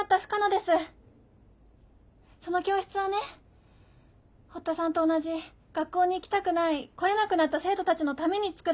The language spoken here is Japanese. その教室はね堀田さんと同じ学校に行きたくない来れなくなった生徒たちのために作られたの。